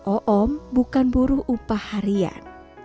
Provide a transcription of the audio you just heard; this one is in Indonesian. oom bukan buruh upah harian